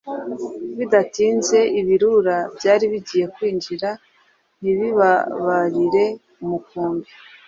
bidatinze ibirura byari bigiye kwinjira, ntibibabarire umukumbi.